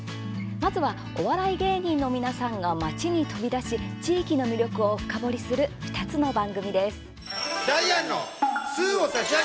まずは、お笑い芸人の皆さんが町に飛び出し地域の魅力を深掘りする２つの番組です。